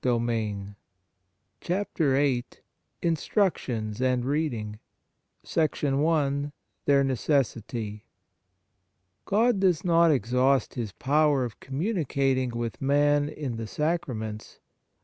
107 CHAPTER VIII INSTRUCTIONS AND READING I Their Necessity GOD does not exhaust his power of communicating with man in the sacraments.